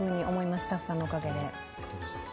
スタッフさんのおかげで。